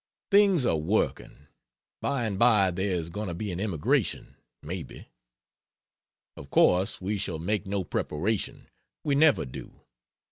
Things are working. By and by there is going to be an emigration, may be. Of course we shall make no preparation; we never do.